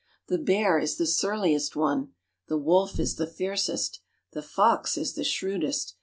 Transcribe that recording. The bear is the surliest one. The wolf is the fiercest. The fox is the shrewdest.